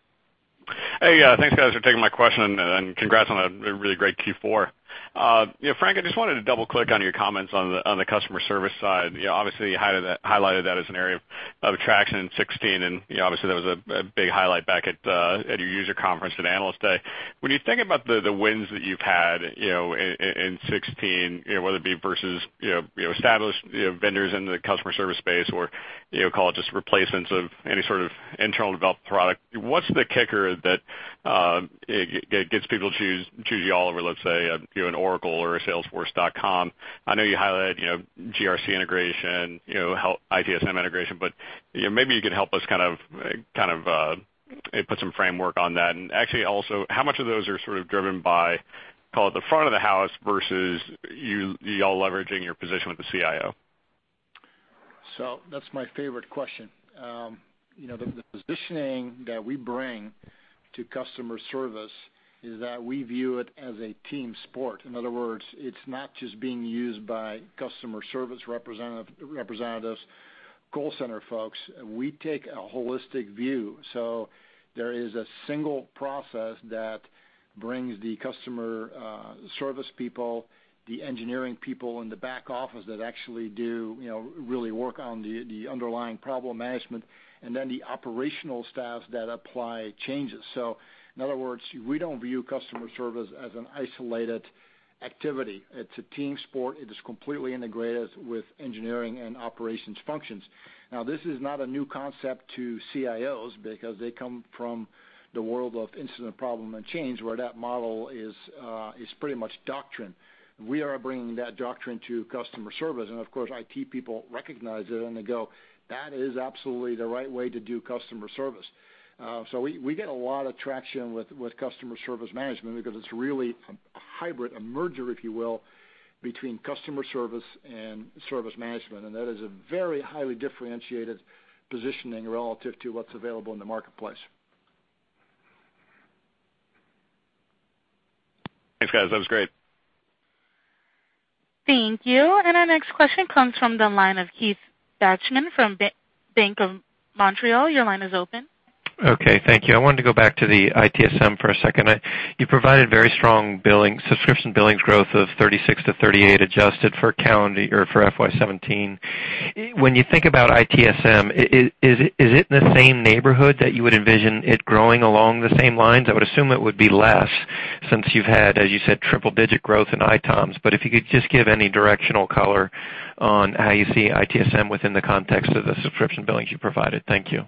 Hey. Thanks, guys, for taking my question and congrats on a really great Q4. Frank, I just wanted to double-click on your comments on the customer service side. Obviously, you highlighted that as an area of traction in 2016, and obviously, that was a big highlight back at your user conference at Analyst Day. When you think about the wins that you've had in 2016, whether it be versus established vendors in the customer service space or call it just replacements of any sort of internal developed product, what's the kicker that gets people to choose you all over, let's say, an Oracle or a Salesforce.com? I know you highlighted GRC integration, ITSM integration, but maybe you can help us put some framework on that. Actually, also, how much of those are sort of driven by, call it, the front of the house versus you all leveraging your position with the CIO? That's my favorite question. The positioning that we bring to customer service is that we view it as a team sport. In other words, it's not just being used by customer service representatives, call center folks. We take a holistic view. There is a single process that brings the customer service people, the engineering people in the back office that actually do really work on the underlying problem management, and then the operational staff that apply changes. In other words, we don't view customer service as an isolated activity. It's a team sport. It is completely integrated with engineering and operations functions. This is not a new concept to CIOs because they come from the world of incident problem and change, where that model is pretty much doctrine. We are bringing that doctrine to customer service. Of course, IT people recognize it, and they go, "That is absolutely the right way to do customer service." We get a lot of traction with Customer Service Management because it's really a hybrid, a merger, if you will, between customer service and service management. That is a very highly differentiated positioning relative to what's available in the marketplace. Thanks, guys. That was great. Thank you. Our next question comes from the line of Keith Bachman from Bank of Montreal. Your line is open. Okay. Thank you. I wanted to go back to the ITSM for a second. You provided very strong subscription billings growth of 36%-38% adjusted for FY 2017. When you think about ITSM, is it in the same neighborhood that you would envision it growing along the same lines? I would assume it would be less since you've had, as you said, triple-digit growth in ITOMs. If you could just give any directional color on how you see ITSM within the context of the subscription billings you provided. Thank you.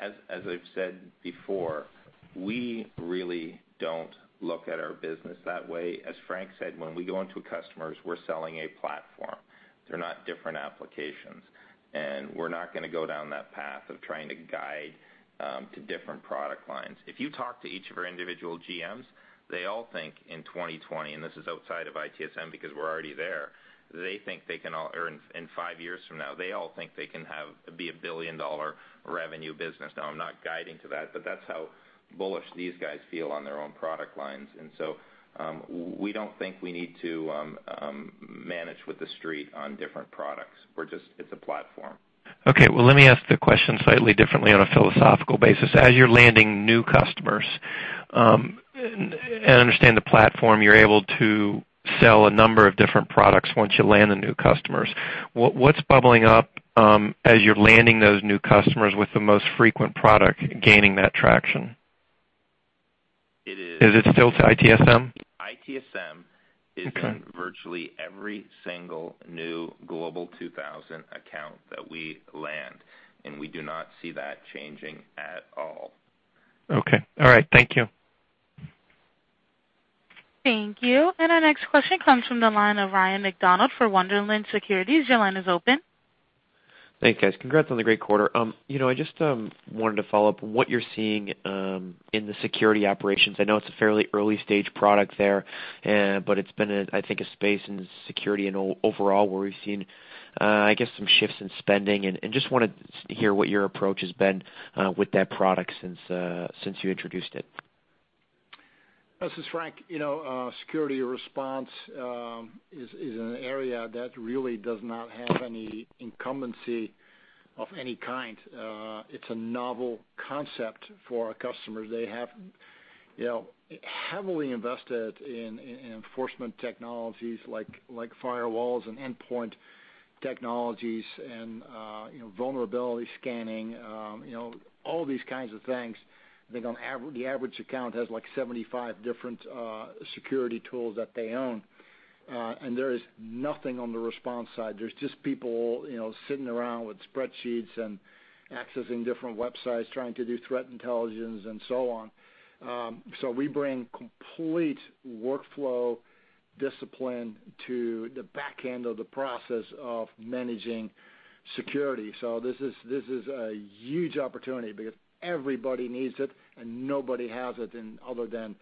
As I've said before, we really don't look at our business that way. As Frank said, when we go into customers, we're selling a platform. They're not different applications. We're not going to go down that path of trying to guide to different product lines. If you talk to each of our individual GMs, they all think in 2020, and this is outside of ITSM because we're already there. They think they can all earn in five years from now. They all think they can be a billion-dollar revenue business. Now, I'm not guiding to that, but that's how bullish these guys feel on their own product lines. We don't think we need to manage with the street on different products. It's a platform. Okay. Well, let me ask the question slightly differently on a philosophical basis. As you're landing new customers, and I understand the platform, you're able to sell a number of different products once you land the new customers. What's bubbling up as you're landing those new customers with the most frequent product gaining that traction? It is- Is it still to ITSM? ITSM Okay in virtually every single new Global 2000 account that we land, and we do not see that changing at all. Okay. All right. Thank you. Thank you. Our next question comes from the line of Ryan MacDonald for Wunderlich Securities. Your line is open. Thanks, guys. Congrats on the great quarter. I just wanted to follow up what you're seeing in the Security Operations. I know it's a fairly early-stage product there, but it's been, I think, a space in security and overall where we've seen, I guess, some shifts in spending, and just wanted to hear what your approach has been with that product since you introduced it. This is Frank. Security response is an area that really does not have any incumbency of any kind. It's a novel concept for our customers. They have heavily invested in enforcement technologies like firewalls and endpoint technologies and vulnerability scanning, all these kinds of things. I think the average account has 75 different security tools that they own, and there is nothing on the response side. There's just people sitting around with spreadsheets and accessing different websites, trying to do threat intelligence and so on. We bring complete workflow discipline to the back end of the process of managing security. This is a huge opportunity because everybody needs it and nobody has it, other than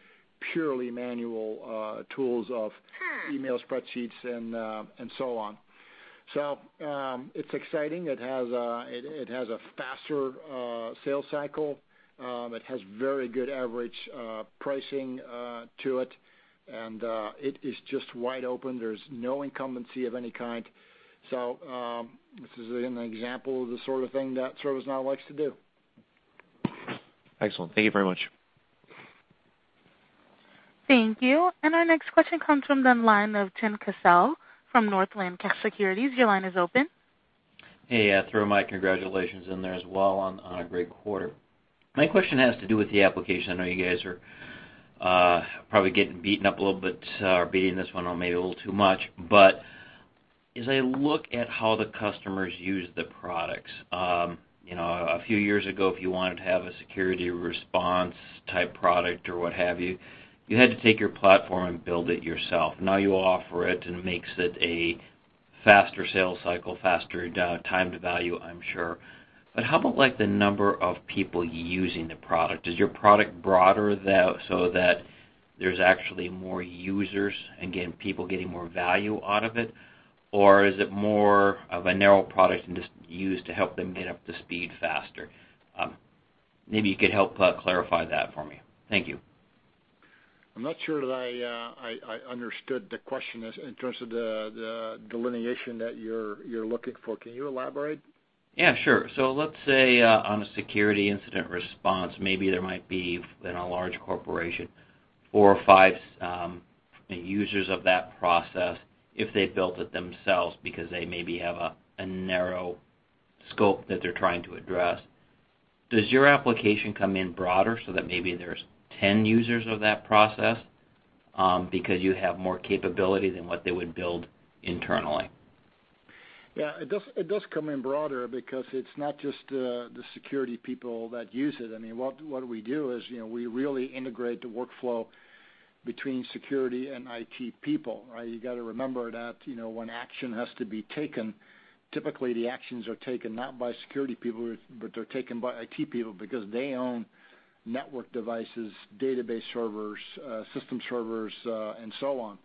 purely manual tools of email spreadsheets and so on. It's exciting. It has a faster sales cycle. It has very good average pricing to it, and it is just wide open. There's no incumbency of any kind. This is an example of the sort of thing that ServiceNow likes to do. Excellent. Thank you very much. Thank you. Our next question comes from the line of Tim Klasell from Northland Securities. Your line is open. Hey. I throw my congratulations in there as well on a great quarter. My question has to do with the application. I know you guys are probably getting beaten up a little bit or beating this one maybe a little too much. As I look at how the customers use the products, a few years ago, if you wanted to have a security response type product or what have you had to take your platform and build it yourself. Now you offer it, and it makes it a faster sales cycle, faster time to value, I'm sure. How about the number of people using the product? Is your product broader so that there's actually more users and getting people getting more value out of it? Or is it more of a narrow product and just used to help them get up to speed faster? Maybe you could help clarify that for me. Thank you. I'm not sure that I understood the question in terms of the delineation that you're looking for. Can you elaborate? Let's say on a security incident response, maybe there might be, in a large corporation, four or five users of that process if they built it themselves because they maybe have a narrow scope that they're trying to address. Does your application come in broader so that maybe there's 10 users of that process because you have more capability than what they would build internally? Yeah, it does come in broader because it's not just the security people that use it. What we do is we really integrate the workflow between security and IT people. You got to remember that when action has to be taken, typically the actions are taken not by security people, but they're taken by IT people because they own network devices, database servers, system servers and so on.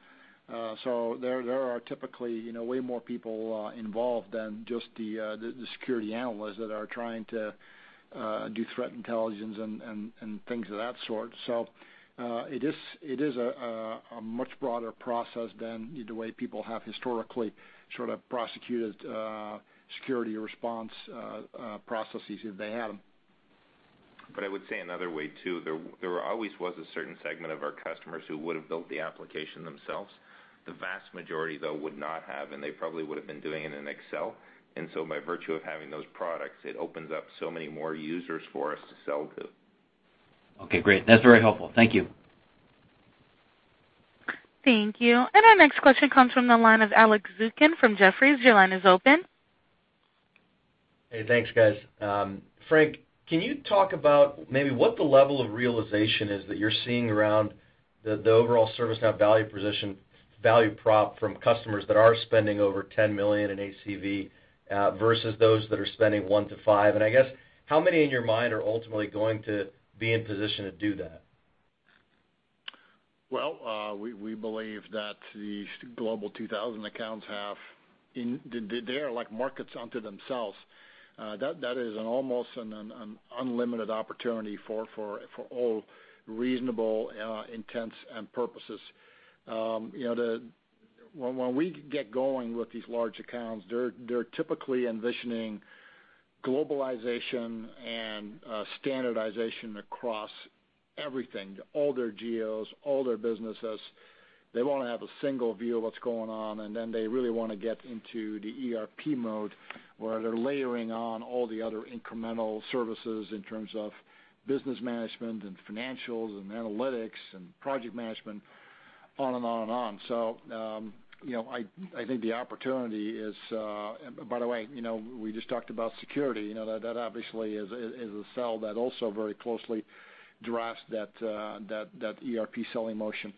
There are typically way more people involved than just the security analysts that are trying to do threat intelligence and things of that sort. It is a much broader process than the way people have historically prosecuted security response processes if they had them. I would say another way, too, there always was a certain segment of our customers who would have built the application themselves. The vast majority, though, would not have, and they probably would have been doing it in Excel. By virtue of having those products, it opens up so many more users for us to sell to. Okay, great. That's very helpful. Thank you. Thank you. Our next question comes from the line of Alex Zukin from Jefferies. Your line is open. Hey, thanks, guys. Frank, can you talk about maybe what the level of realization is that you're seeing around the overall ServiceNow value position, value prop from customers that are spending over $10 million in ACV versus those that are spending $1 million-$5 million? I guess, how many in your mind are ultimately going to be in position to do that? Well, we believe that the Global 2000 accounts, they are like markets unto themselves. That is an almost an unlimited opportunity for all reasonable intents and purposes. When we get going with these large accounts, they're typically envisioning globalization and standardization across everything, all their geos, all their businesses. They want to have a single view of what's going on, then they really want to get into the ERP mode, where they're layering on all the other incremental services in terms of business management and financials and analytics and project management, on and on. I think the opportunity is-- By the way, we just talked about security. That obviously is a sell that also very closely drives that ERP selling motion.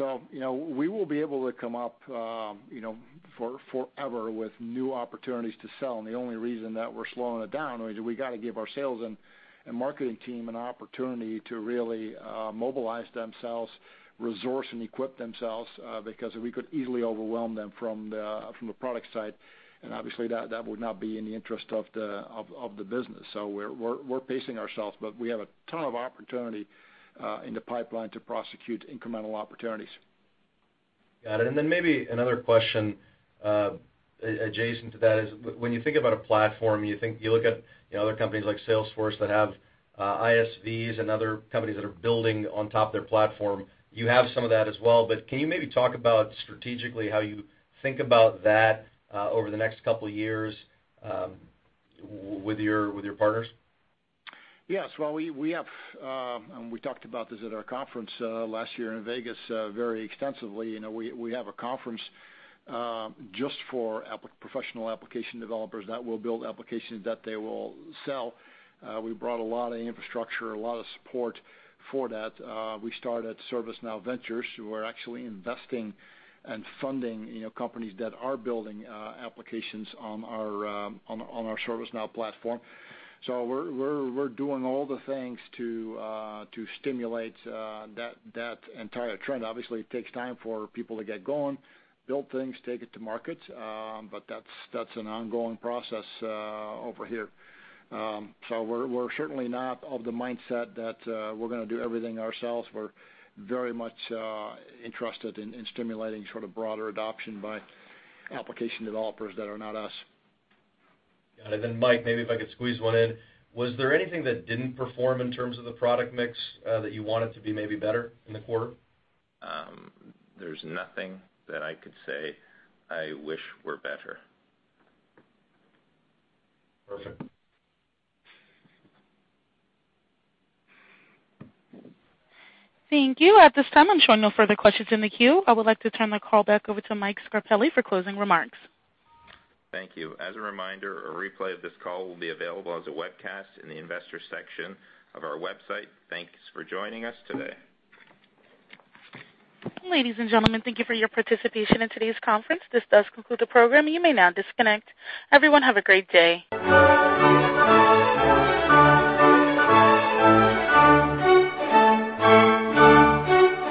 We will be able to come up forever with new opportunities to sell. The only reason that we're slowing it down is we got to give our sales and marketing team an opportunity to really mobilize themselves, resource, and equip themselves because we could easily overwhelm them from the product side, and obviously, that would not be in the interest of the business. We're pacing ourselves, but we have a ton of opportunity in the pipeline to prosecute incremental opportunities. Got it. Maybe another question adjacent to that is when you think about a platform, you look at other companies like Salesforce that have ISVs and other companies that are building on top of their platform. You have some of that as well, but can you maybe talk about strategically how you think about that over the next couple of years with your partners? Yes. Well, we have, we talked about this at our conference last year in Vegas very extensively. We have a conference just for professional application developers that will build applications that they will sell. We brought a lot of infrastructure, a lot of support for that. We started ServiceNow Ventures, who are actually investing and funding companies that are building applications on our ServiceNow platform. We're doing all the things to stimulate that entire trend. Obviously, it takes time for people to get going, build things, take it to market, but that's an ongoing process over here. We're certainly not of the mindset that we're going to do everything ourselves. We're very much interested in stimulating sort of broader adoption by application developers that are not us. Got it. Mike, maybe if I could squeeze one in. Was there anything that didn't perform in terms of the product mix that you want it to be maybe better in the quarter? There's nothing that I could say I wish were better. Perfect. Thank you. At this time, I'm showing no further questions in the queue. I would like to turn the call back over to Mike Scarpelli for closing remarks. Thank you. As a reminder, a replay of this call will be available as a webcast in the Investors section of our website. Thanks for joining us today. Ladies and gentlemen, thank you for your participation in today's conference. This does conclude the program. You may now disconnect. Everyone, have a great day.